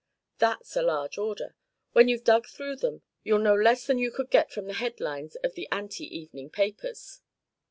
"That's a large order. When you've dug through them you'll know less than you could get from the headlines of the 'anti' evening papers.